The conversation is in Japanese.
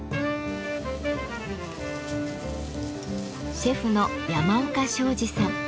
シェフの山岡昌治さん。